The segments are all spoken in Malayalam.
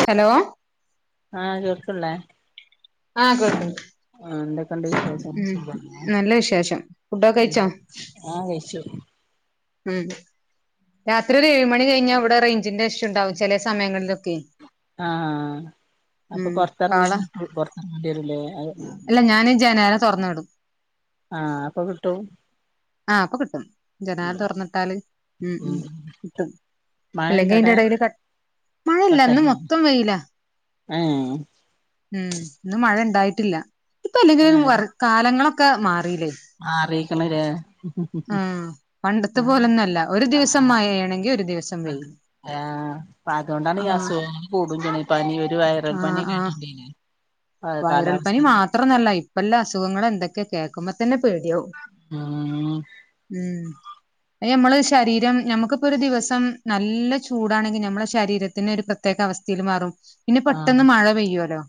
ഹലോ ആഹ് [unintelligible] ല്ലെ ആ കേൾക്ക്ണ്ട് വിശേഷം ഉം സുഖാണോ? നല്ല വിശേഷം. ഫുഡൊക്കെകയ്ച്ചോ? ആ കഴിച്ചു. ഹ്മ്മ് രാത്രി ഒരു ഏഴ്മണി കഴിഞ്ഞാ ഇവിടെ റേഞ്ചിന്റെ ഇഷ്യൂണ്ടാവും ചെല സമയങ്ങളിലൊക്കെയ്. ആഹ അപ്പൊ പൊറത്തിറങ്ങിയ കാള [unintelligible] അല്ല ഞാന് ജനാല തൊറന്നുവിടും. ആഹ അപ്പൊ കിട്ടൂ? ആഹ അപ്പൊ കിട്ടും. ജനാല തൊർന്നിട്ടാല് ഉം ഉം കിട്ടും. അല്ലെങ്കി അയിന്റ മഴണ്ടടെ എടയിൽ ക മഴല്ല്യ ന്ന് കട്ടായി മൊത്തം വെയില. ഏഹ് ഉം ഇന്ന് മഴ ഇണ്ടായിട്ടില്ല. ഇപ്പൊ അല്ലെങ്കിലും വറ് കാലങ്ങളൊക്കെ മാറ് ആ അറിയിക്കണ ലെ ആ പണ്ടത്തപ്പോലൊന്നല്ല. ഒരു ദിവസം മയെണെങ്കി ഒരു ദിവസം വെയില്. അതൊണ്ടാണ് ഈ അസുഖങ്ങള് കൂടും ചെയ്യണ്. പനി ഒരു വൈറൽ പനി ആഹ് ആഹ് കേട്ടിട്ടില്ലേ? വൈറൽ പനി മാത്രൊന്നല്ല ഇപ്പല്ലെ അസുഖങ്ങൾ എന്തൊക്കെ കേക്കുമ്പോത്തന്നെ ക് പേടിയാവും. ഉം ഉം. അയ് നമ്മള് ശരീരം, ഞമ്മക്കിപ്പൊരു ദിവസം നല്ല ചൂടാണെങ്കി ഞമ്മളെ ശരീരത്തിന് ഒരു പ്രത് പ്രത്യേക അവസ്ഥയിൽ മാറും. പിന്നെ പെട്ടെന്ന് മഴ പെയ്യോല്ലോ.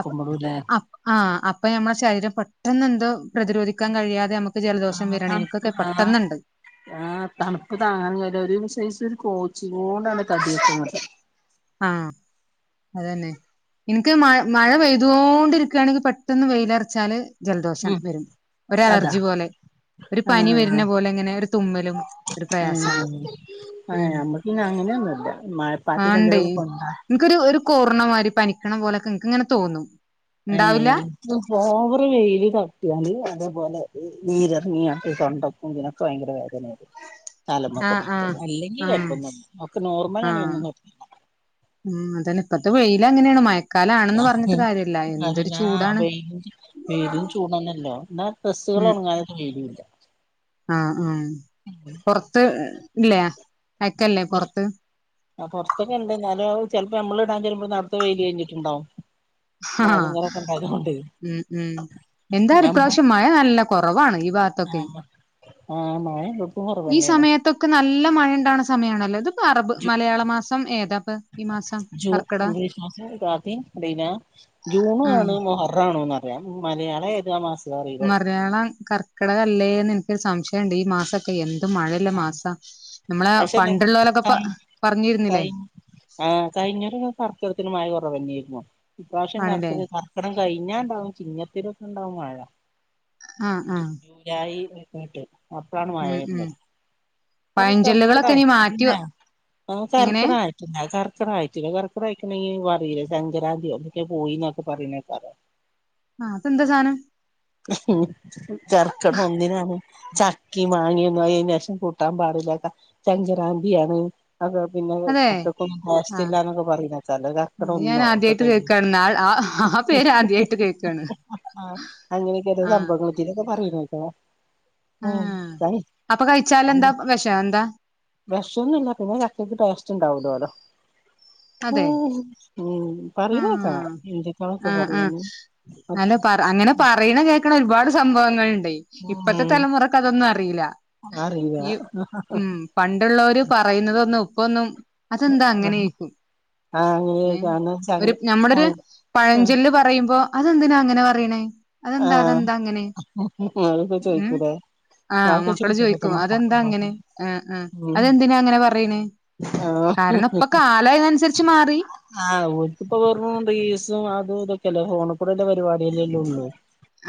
അപ്പ അപ് ആഹ്. അപ്പൊ ഞമ്മളെ ശരീരം പെട്ടന്നെന്തോ പ്രതിരോധിക്കാൻ കഴിയാതെ നമക്ക് ജലദോഷം ആഹ് വരാണ് ഇനിക്കൊക്കെ തണുപ്പ് ആഹ് പെട്ടെന്ന്ണ്ട് ആഹ് തണുപ്പ് താങ്ങാൻ കയൂല ഒരുസൈസ് ഒരു കോച്ച് കൊണ്ടാണ് തടക്കുന്നത് അഹ് അത് തന്നെ ഇൻക്ക് മഴ മഴപെയ്തോണ്ടിരിക്കേണെങ്കി പെട്ടന്ന് വെയ്ലറച്ചാല് ഉം ജലദോഷണ്ട് അതാ ഒരലർജി പോലെ ഒരു പനി ആഹ് വര്ന പോലെ ഇങ്ങനെ ഒരു തുമ്മലും ഒരു പ്രയാസാണ് മ് ങ്ങനൊന്നുല്ല മഴപ്പാറ്റലെന്തെലൊക്കെ കൊണ്ട ൻ ക്കൊരു ഒരു കോർണ മാരി പനിക്കണ പോലൊക്കെ എൻക്ക് ഇങ്ങനെ തോന്നും ഏ ഉണ്ടാവില്ല ഇക്ക്‌ പോവറ് വെയ്ല് തട്ട്യാല് അതേപോലെ നീരർങ്ങിയാ അപ്പ ഈ തൊണ്ടക്കും ഇതിനൊക്കെ വയങ്കര വേദ ആഹ് തലമ്മക്കൂടൊക്കെ ആഹ് അല്ലെങ്കിൽ ആഹ് കൊയ്പ്പൊന്നുല്യ ഒക്കെനോർമലാണെങ്കി ആഹ് ഒന്നും കൊയപ്പ ല്ലാ ഉം അതന്നെ ഇപ്പത്തെ വെയ്ലങ്ങനേണ് മയ അതെന്നാ ചൂടാണ് വെയ്ല് പെരും ചൂടാണല്ലോ എന്നാ ഡ്രസ്സ്‌കള് ഉം ഒറങ്ങാനൊന്നും വെരൂല ആഹ് ആ പൊറത്ത് ഇല്ലേ അയക്കല്ലേ പൊർത്ത് പൊറത്ത് ആ പൊറത്തൊക്കെ ഇണ്ട് ന്നാലും ചെ ഇപ്പ ഞമ്മള്ണ്ടാക്കിവെരുമ്പോ ന്നർത്തെ വെയ്ലി കയ്ഞ്ഞിട്ട്ണ്ടാവും ആഹ് ഉം ഉം എന്താലും ഞമ്മ പ്രാശം മഴ നല്ല കൊറവാണ് ഈ ഭാത്തൊക്കെയ് ആഹ് ആഹ് മഴണ്ട് ഈ സമയത്തൊക്കെ ന്നല്ല മഴഇ ണ്ടാകണ സമയാണല്ലോ ഇത് അറബ് ജൂ മലയാള മാസം ഏതാപ്പ ഈ മാസം ജൂ കർക്കിഡാ ജൂണു ആണ് മുഹറാണോന്നറിയാം മലയാളം യേത്ആ മാസം അറിയില്ല മലയാളം കർക്കിടകല്ലേന്ന് എനിക്കൊരു സംശയണ്ട് ഈ മാസൊക്കെയെന്ത് അ മഴല്ല മാസ [unintelligible] പറഞ്ഞിരുന്നില്ലേ പറഞ്ഞിനു ഇപ്രാവശ്യം ആണ്ല്ലേ കർക്കിടക കർകടം കഴിഞ്ഞ ഇണ്ടാവും ചിങ്ങത്തിലൊക്കെ ഉണ്ടാവും മഴ ആഹ് ആഹ് ജൂലൈ [unintelligible] അപ്പളാണ് മഴ ഉം ഉം വരുന്നത് പഴഞ്ചൊല്ലുകളൊക്കെ ഇനി മാറ്റി വ കർക്കിടായിട്ട് ആ എങ്ങനെ കർക്കടയിട്ടില്ല കർ [unintelligible] ആഹ് അതെന്താ സാനം കർക്കിടം ഒന്നിനാണ് ചക്കിം മാങ്ങിയൊന്നും അയീ നേഷം കൂട്ടാൻ പാടില്ലട്ടാ ചങ്കരാന്തിയാണ് അതാ പിന്നെ അതെ ചക്കക്കൊന്നും ആഹ് ടേസ്റ്റില്ലാന്നൊക്കെ പറയിലെ അത് ഞാൻ ചെലചക്കടുന്നോ ആദ്യായിട്ട് ഒക്കക്കയ്ഞ് കേക്കാണ് ആ ആ ആ പേര് ആദ്യായിട്ട് കേക്കാണ് ആ അങ്ങനെക്കെനെ സംഭവങ്ങൾ പിനോക്കേ അറിയില്ല ട്ടാ ആ അപ്പ കഴിച്ചാലെന്താ പ്പ് വെഷാണ് വെശൊനുല്ലപിന്നെ ചക്കയ്ക്ക് ടേസ്റ്റ് ണ്ടാവ്ടോല്ലോ ഉ അതെ ആ പറയണേക്കാ ആ ഹിന്ദിക്കളൊക്കെ ആ പറയണ് നല്ല പറ ഇങ്ങനെ പറയണെ കേക്കണ ഒരുപാട് സംഭവങ്ങളുണ്ടെയ് ഇപ്പത്തെ ഉം തലമുറക്ക് അതൊന്നും അറിയില്ല യൂ അറിയില്ല ഉം പണ്ടുള്ളോര് പറയുന്നതൊന്നും ഇപ്പൊന്നും അതെന്താ അങ്ങനോയ്ക്കും ആഹ് ഏ അങ്ങനെയൊക്കാണ് ചങ്ക ഒര് നമ്മളൊരു ആഹ് പഴഞ്ചൊല്ല് പറയും മ്മ്പോ അതെന്തിനാ അങ്ങനെ പറയ്ണ് അതെന്താ ആഹ് അതെന്താ അങ്ങനെ ആഹ് അതൊക്കെ ഉ ചോയിക്കൂലേ ആഹ് അതൊക്കെ മക്കള് ചോയിക്കുമ്പത്തെ ചോയ്ക്കും അതെന്താ അങ്ങനെ മക്കളെ ആ ആ ഉം അതെന്തിനാ അങ്ങനെ പറയണ് ആഹ് കാരണം ഇപ്പക്കാലയ്നൻസരി ആഹ് ഓൽക്ക്‌പ്പവെറും റീൽസും അതും ഇതൊക്കെല്ലേ ഹോണ് കുറക പരിപാടീലല്ലൊള്ളൂ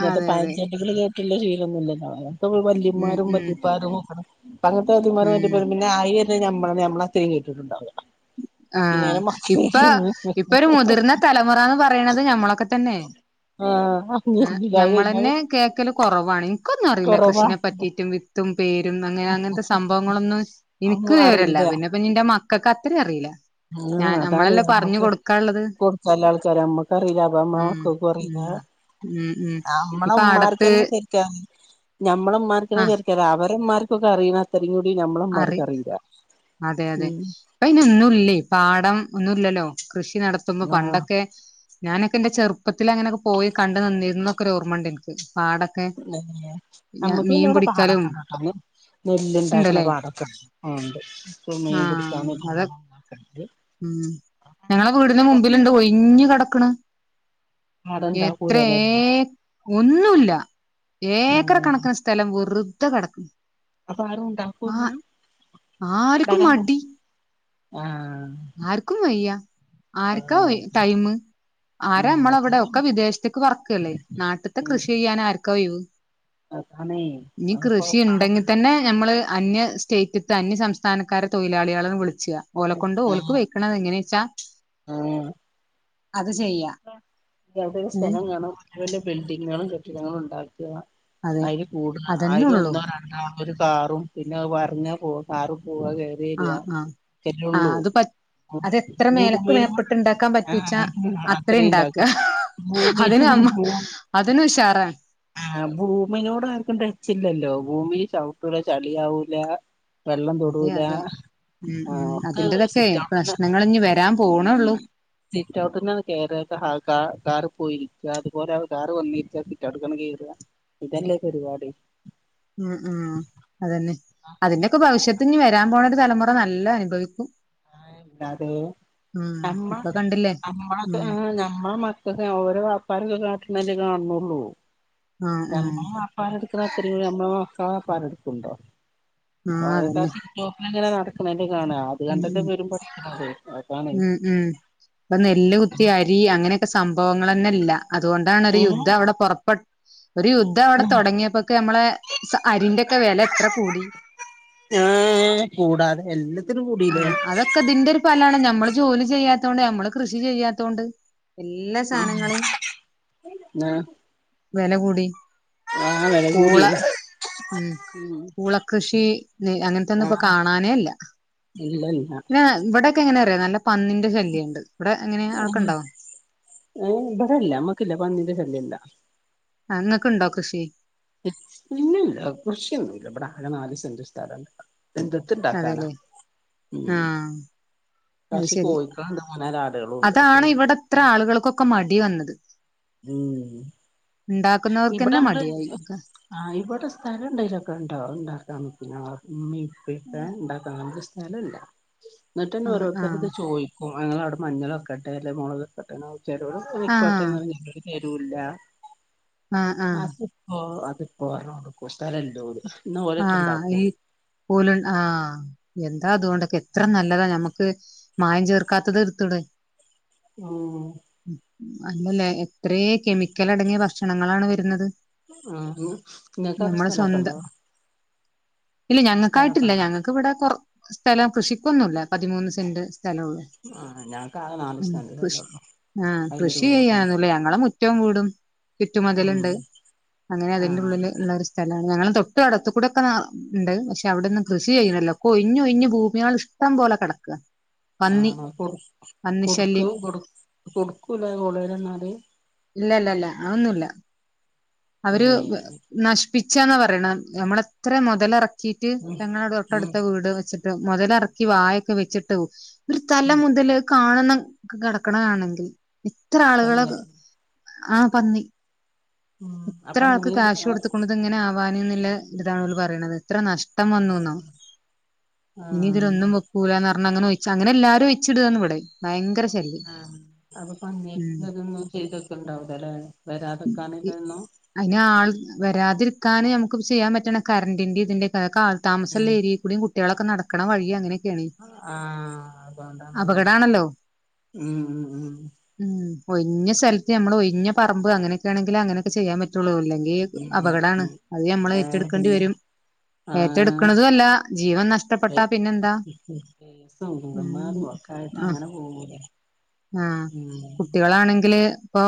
ങ്ങതെ അതെ അതെ പയൻചൻകൾ കേട്ടുള്ള ശീലൊന്നുല്ലല്ലോ ന്നമ്മ്ള് ഉം വല്ലിമ്മാരും ഉം വല്ലിപ്പാരും ഓക്കണ് ഇപ്പങ്ങൻത്തെ വെത്തിമ്മാരും ഉം വല്ലിപ്പാരും പിന്നെ ആയി ത് ഞമ്മളത് ഞമ്മളത്രയും കേട്ട്ട്ട്ണ്ടാ വൊ [inaudible] ആഹ് ഇപ്പൊ ഇപ്പൊ ഒരു മുതിർന്ന തലമുറ എന്ന് പറയണത് ഞമ്മളൊക്കെ തന്നെ ആഹ് അറിഞ്ഞില്ല അത് കഴിഞ്ഞാല് നമ്മളന്നെ കേക്കല് കൊറവാണ് ഇനിക്കൊന്നറില്ല കൊറവാണ് കൃഷിനെ പറ്റിട്ടും വിത്തും പേരുന്നങ്ങനെ അങ്ങനത്തെ സംഭവങ്ങളൊന്നും എന്ക്ക് അതൊന്നും വിവരല്ല പിന്നെ ഇപ്പന്റെ മക്കക്ക് അത്രയും അറില്ല ആ അതാണ് അമ്മക്ക് കൊടുക്കാലാൾക്കാര് അമ്മക്കറിയില്ല അപ്പ അമ്മള ഉം മക്കക്കു അറീല്ല ഉം ഉം ഉം നമ്മള ഇപ്പൊ അടത്ത് ഉമ്മാർക്ക്ന്നെ ശെരിക്കാ ഞമ്മള ഉമാർക്ക്ന്നെ ആഹ് ശെരിക്ക രാവ മ്മാർക്കൊക്കെ അറിണാ അറി അതെ അതെ ഉം ഇപ്പയ്ന് ഒന്നുംല്ലേ പാടം ഒന്നുമല്ലല്ലോ കൃഷി നടത്തുമ്പോ ആഹ് പണ്ടൊക്കെ ഞാനൊക്കെ ന്റെ ചെറുപ്പ അങ്ങനെക്കെ പോയി കണ്ടു നിന്നിര എന്നൊക്കെ ഒരു ഓർമ്മുണ്ട് നിക്ക് നമ്മക്ക് പിന്നെ മീൻ ഇവിടെ പിടിക്കലും പാടൊക്കെ കേട്ട നെല്ല്ണ്ടാക്കണ ഉണ്ടല്ലേ പാടം ആഹ് ഉണ്ട് ഇപ്പൊ മെയൻ ആഹ് പിടിക്കാന അത [unintelligible] ഉം ഞങ്ങളെ വീടിന് മുമ്പിലുണ്ട് ഒഴിഞ് കെടക്കണ് ആടെ എത്രേ ഇണ്ടാക്കൂലല്ലേ ഒന്നുല്ല ഏക്കറ് ആഹ് കണക്കിന് സ്ഥലം വെറുതെ കിടക്കും അപ്പൊ ആരും ഉണ്ടാക്കൂന്നാ ആർക്കും ഉണ്ടാക്കാ മടി ആ ആർക്കും വയ്യ ആർക്കാ ഒയ് ആഹ് ടൈമ് ഉം ആരമ്മള വിടെ ഒക്കെ വിദേശത്തേക്ക് പറക്കല്ലേ നാട്ടിത്തെ ഉം കൃഷി ചെയ്യാൻ ആർക്കാ ഒഴിവ് അതാണേ ഇനി അപ്പൊ കൃഷി ഇണ്ടെങ്കി തന്നെ ഞമ്മള് അന്യ സ്റ്റേറ്റത്ത് അന്യ സംസ്ഥാനക്കാരെ തൊഴിലാളികളെ വിളിച്ചാ ഓല കൊണ്ട് ഓ ക്ക് ആഹ് വെക്ക്ണ എങ്ങനെ ച്ചാ ആഹ് [unintelligible] ഏ സ്ഥലം കാണോ ന്റെ ബിൽഡിങ്ങും കെട്ടിടങ്ങളും ഉണ്ടാക്കിയ അതെ അയിൽ കൂടാ ആയി അതന്നെ ൽ ഉള്ളൂ ഒന്നോ ഒരു കാറും പിന്നെ പറഞ്ഞ പോ കാറു പോവാ കേറി ആ ആ ആ അത് പ അതെത്ര മേലക്ക് [unintelligible] മേപ്പെട്ട് ഇണ്ടാക്കാൻ പറ്റൂച്ചാ ആഹ് [unintelligible] [unintelligible] അത്ര ഇണ്ടാക്ക അതിന് അമ്മ അതിന് ഉഷാറാണ് ആ ഭൂമിനോട് ആർക്കും ട്ടച്ചില്ലല്ലോ ഭൂമി ചവിട്ടൂല ചളിയവൂല വെള്ളം അതെ തൊടൂല അതെ ഉം ആഹ് ഉം ഒക്കെ അതിന്റതൊക്കെ സിറ്റൗട്ട്ന്ന് പ്രശ്നങ്ങള്ഞ്ഞിവരാൻ പോണേള്ളൂ സിറ്റ് ഔട്ട്ന്ന കേയറ കാ കാറ് പോയിരിക്ക അതുപോലെ അവ കാറ് വന്നിരിക്കാ സിറ്റൊട്ടക്ക്കയറാ ഇതെല്ലക്കെ ഒരുപാട് ഉം ഉം അതന്നെ അതിന്റെ ഒക്കെ ഭവിഷ്യത്ത് ഇഞ്ഞി വരാൻ പോണൊരു തലമുറ നല്ല അനുഭവിക്കും ആഹ് എന്താത ഉം ഞമ്മ ഇപ്പൊ കണ്ടില്ലേ അമ്മ ഉം ആഹ് ഞമ്മ മക്കൾക്ക് ഓരോ വപ്പാർക്കെ കാട്ട്ണ കാണണൊള്ളു ആഹ് ആഹ് നമ്മളെ വാപാരിട്ക്ക്ണ ത്രിംകൂടി നമ്മെ മക്കള് ആഹ് അതന്നെ [unintelligible] [unintelligible] നടക്ക്ണേ കാണ ആത് ഉം കണ്ട ഉം പേരും പ അതാണ ഇപ്പ നെല്ല് കുത്തി അരി അങ്ങനെ സംഭവങ്ങൾ തന്നെ ഇല്ല അതുകൊണ്ടാണ് ഒരു യുദ്ധം അവിടെ പുറപ്പെ ഒരു യുദ്ധം അവിടെ തുടങ്ങിയപ്പോക്കെ നമ്മളെ അരിന്റെക്കെ വില എത്ര കൂടി ആഹ് കൂടാതെ എല്ലാത്തിലും കൂ ആ അതൊക്കെതിന്റെ ഒരു ഫലാണ് നമ്മള് ജോലി ചെയ്യാത്തോണ്ട് നമ്മള് കൃഷി ചെയ്യാത്തൊണ്ട് എല്ലാ സാധനങ്ങളെയും വെല കൂടി ആ വില കൂടി പൂള ഉം പൂളക്കൃഷി അങ്ങനത്ത ഒന്നും ഇപ്പോ ആഹ് കാണാനേല്ല ഇല്ല ഇല്ല അങ്ങനെ അറിയ നല്ല പന്നിന്റെ ശല്യംണ്ട് ഇവിടെ എങ്ങനെയെ അവിടെക്കെണ്ടോ [unintelligible] ബടെല്ല മ്മക്ക്ല്ല പന്നിന്റെ ശല്യല്ല. ആ ഇങ്ങക്ക്ണ്ടോ കൃഷി? ഇല്ലല്ല കൃഷിയൊന്നുംല്ല ഇബടെ ആകെ നാല് സെന്റ് [unintelligible] എന്തത്ത്ണ്ടാക്കാനാ അതെല്ലേ ഉ. ആഹ് അത് കൊറച്ച് ശരി കോഴിക്കളണ്ട് മൂന്നാല് ആടളുംണ്ട്. [unintelligible] ക്കെ മടി വന്നത്. ഉം. ഇവിടെ ഇണ്ടാക്കുന്നവർക്കന്നെ നമ്മള് മടിയായി ആ ഇവിടെ സ്ഥലം എന്തെലുംക്കെണ്ട ഉണ്ടാക്കാം. [unintelligible] ഇമ്മീം ഇപ്പി [unintelligible] ന്നെട്ടേന്നെ ആഹ് ഓരോത്തരു ആഹ് ഇത് ചോദിക്കും അങ്ങളാ വടെ മഞ്ഞൾൊക്കെട്ടെ അല്ലെ മുളകൊക്കട്ടെ [unintelligible] ചേലോൽ ആഹ് പോയിക്കോട്ടെന്ന് പറിം ചേലോൽ തേര്ല്ല ആഹ് ആഹ് [unintelligible] [unintelligible] സ്ഥലല്ലോൽ ആ ഈ [unintelligible] ആ എന്ത് എത്താതോണ്ടൊക്കെ എത്ര നല്ലതാ ഞമ്മക്ക് മായം ചേർക്കാത്തത് എടുത്തുടെ. ഉം. അല്ലല്ല എത്ര കെമിക്കൽ അടങ്ങിയ ഭക്ഷണങ്ങളാണ് വരുന്നത്. ആ [unintelligible] ഇങ്ങക്കവടെ നമ്മള് സ്ഥലൊക്കെ സ്വന്തം ഉണ്ടോ? ഇല്ല സ്ഥലൊക്കെ ഞങ്ങൾക്കായിട്ടില്ല ഉണ്ടോ ഞങ്ങൾക്ക് ഇവിടെ കൊർ സ്ഥലം കൃഷിക്കൊന്നുല്ല പതിമൂന്ന് സെന്റ്. സ്ഥലള്ളൂ ആ ഞങ്ങക്കാകെ [unintelligible] സെന്റ് [unintelligible] ആ അയിലൊരു കൃഷി വീടും ചെയ്യനുലെ ഞങ്ങളെ മുറ്റോം വീടും ഉം ചിറ്റുമതിലിണ്ട്. അങ്ങനെ അതിന്റെ ആഹ് ഉള്ളിൽ ള്ളൊരു സ്ഥലമാണ് ഞങ്ങൾ. [unintelligible] അടത്ത് കൂടെ ഒക്കെ ണ്ട് പഷേ അവടെന്നും കൃഷി ചെയ്യണ്ല്ല ഒക്കേ [unintelligible] ഭൂമിയാൾ ഇഷ്ടം പോലെ കെടക്ക. ആ അപ്പോ കൊടുക്കും പന്നിശല്യം കൊടുക്കൂല കോളേര് വന്നല്. ഇല്ലല്ലല്ല അയൊന്നുല്ല. ഏ അവര് നശിപ്പിച്ചന്ന പറെണം നമ്മളെത്ര മുതലേറ ഉം [unintelligible] ഉം തൊട്ടടുത്ത വീട് വെച്ട്ടും മൊതലാർക്കി വായൊക്കെ വെച്ചിട്ടും ഒരു തല ഉം മുതല് കാണണം കെടക്കണ കാണെങ്കിൽ ഇത്ര ആളുകള് പന്നിയ ആ പന്നി. ഉം ത്ര അപ്പൊ ആൾക്ക് അങ്ങനെ കാശ് കൊടുത്കുണു ഇത് ആവാന് ന്നെല്ല ഇതാണ് ഒൽ പറയണത് ഇത്ര നഷ് [unintelligible] വന്നുന്നോ ഇനി ആഹ് ഇതിലൊന്നും വെക്കൂലാ [unintelligible] ങ്ങനെ ഒഴിച്ച് എല്ലാരും ഒഴിച്ചിടാണ് ഇവിടേയ് ഭയങ്കര ശല്യം ആ അപ്പോ ഉം പന്നിക്കള്ളതോന്നും ചെയ്തൊക്ക ണ്ടാവില്ലലെ വരാതെ [unintelligible] [unintelligible] ആൾ വരാതിരിക്കാന് നമുക്ക്പ്പോ ചെയ്യാൻ പറ്റണ കറണ്ടിന്റെ ഇതിന്റെക്കെ ആ ഉം താമസല്ലേരിക്കൂടിം കുട്ടികളൊക്കെ നടക്കണ വഴി അങ്ങനെയൊക്കെണ് ആഹ് അതുകൊണ്ടാണത് അപകടണല്ലോ. ഉം ഉം ഉം. ഒഴിഞ്ഞ സ്ഥലത്ത് നമ്മൾ ഒഴിഞ്ഞ പറബ് അനൊക്കൊണെങ്കിൽ അങ്ങനോക്കെ ചെയ്യാൻ പറ്റൊള്ളോണ്. [unintelligible] ഉം ഉം അപകടാണ് ഉം അത് ഞമ്മള് ഏഹ് ഏറ്റെടുക്കേണ്ടി പിന്നെ വരും. ആഹ് ഏറ്റെടുക്കണതൊല്ല ജീവൻ നഷ്ടപ്പെട്ടാ പിന്നെന്താ. [unintelligible] ക്കായിട്ട് അങ്ങനെ പോകൂലേ ആ ഉം കുട്ടികളാണെങ്കില് പ്പൊ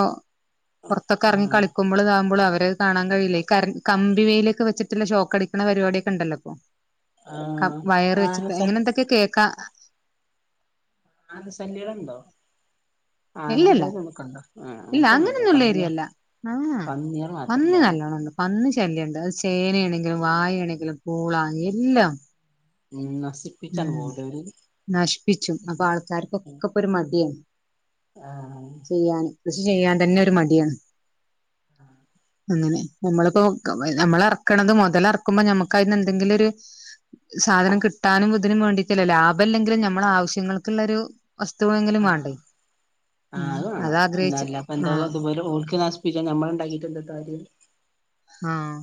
പുറത്തൊക്കെറങ്ങി ആഹ് കളിക്കു [unintelligible] അവരത് കാണാൻ കഴി യുലെയ് കമ്പി വേയിലൊക്കെച്ചിട്ടില്ല ഷോക്ക് അടിക്കണ പരിപടിയൊക്കെ ണ്ടല്ലോപ്പോ. [unintelligible] ആഹ് വയറ് വെച്ചപ്പോ അ ആഹ് ങ്ങനെ എന്തൊക്കെയാ കേക്കാ. [unintelligible] ശല്യലണ്ടോ? ഇല്ലല്ല ആനന്റേത് [unintelligible] ഇല്ല അങ്ങനത്തെ ഒന്നുംല്ല അങ്ങനൊന്നും ഉള്ള പന്നിയാള് ഏരിയല്ല പന്നിയള് മാത്രല്ലേ. [unintelligible] ശല്യംണ്ട് അത് ചേനണെങ്കിലും വായെണെങ്കിലും പൂള എല്ലാം ഉം. നശിപ്പിച്ചാണ് ഉം പോവൂലെ ഓര് നശ്പ്പിച്ചും അപ്പൊ ആൾക്കാര് ക്കൊക്കപ്പൊരു മടിയാണ്. ആ. ചെയ്യാന് കൃഷി ചെയ്യാൻ തന്നെ ഒരു മടിയാണ്. അങ്ങനെ നമ്മളിപ്പോ അമ്മളറെക്കണത് മൊതലെറക്കുമ്പോ ഞമ്മക്കയിനെന്തെങ്കിലൊരു.. സാധനം കിട്ടാനും ഇതിനും വേണ്ടിട്ടല്ല ലാഭല്ലെങ്കിലും ഞമ്മളാവശ്യങ്ങൾക്കുള്ളരു.. തെങ്കിലും വാണ്ടേ.. ആ അത് വാണം ല്ല പ്പന്ത ആഹ് [unintelligible] നശിപ്പിച്ചാ ഞമ്മളണ്ടാക്കീട്ട് എന്താ കാര്യം.. ആഹ്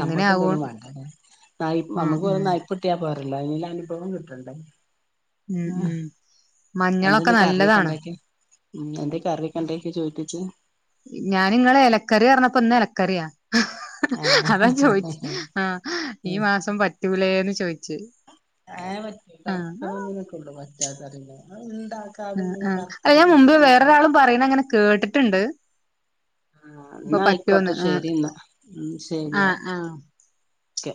അങ്ങനെ ആവോ ന്തായാലും വേണ്ടല്ലെ.. നയ് ഉം അമ്മക്ക് ഉം വെറുംനയിപ്പ്ട്ടിയാ പോരല്ലോ അയ്ന്ന്ള്ള അനുഭവം കിട്ടണ്ടേ. ഉം ആ ഉം മഞ്ഞളൊക്കെ എന്തന്ന് കറിയൊക്കെ നല്ലതാണ് ഉണ്ടാക്കി.. ഉം എന്തെ കറിയൊക്കെണ്ടക്കി ചോറ്റ് ക്ക്... ഞാനിങ്ങളെലക്കറിയറഞ്ഞപ്പോ ഇന്നെലക്കറിയാ.. ഹഹഹ ആ അതാ ചോയിച് ആ ഈ മാസം പറ്റൂലേന്ന് ചോയ്ച്ച്... [unintelligible] ഇങ്ങനെ അ അ [unintelligible] ഞാൻ കർക്കിടക മുമ്പേ വേറൊരാളും പറയുന്നങ്ങനെ കേട്ടിട്ടുണ്ട്.. ആ ഇപ്പൊ ഇന്നായിക്കോട്ടെ പറ്റോന്ന് ആഹ് ശരി ഇന്നാ ഉം ശരിയോ ആഹ് ആഹ് ക്കെ..